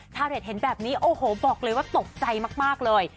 ชาวเน็ตเห็นแบบนี้โอ้โหบอกเลยว่าตกใจมากเลย